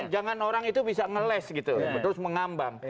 jangan orang itu bisa ngeles gitu terus mengambang